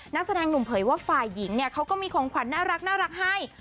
นักแสดงหนุ่มเผยว่าฝ่ายหญิงเนี่ยเขาก็มีของขวัญน่ารักให้